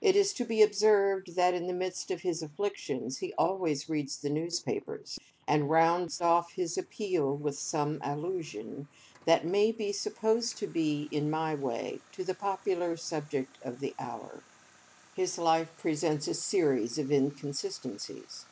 It is to be observed, that in the midst of his afflictions he always reads the newspapers; and rounds off his appeal with some allusion, that may be supposed to be in my way, to the popular subject of the hour. His life presents a series of inconsistencies.